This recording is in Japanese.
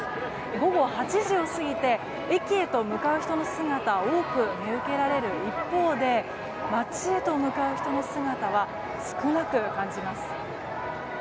午後８時を過ぎて駅へと向かう人の姿を多く見受けられる一方で街へと向かう人の姿は少なく感じます。